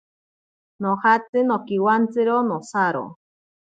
Nojatsi nonkiwantsiro nosaro.